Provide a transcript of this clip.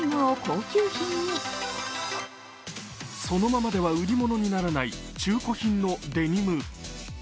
そのままでは売り物にならない中古品のデニム。